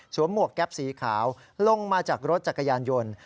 หมวกแก๊ปสีขาวลงมาจากรถจักรยานยนต์